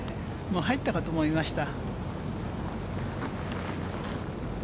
入ったかと思いました。